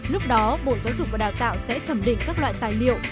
lúc đó bộ giáo dục và đào tạo sẽ thẩm định các loại tài liệu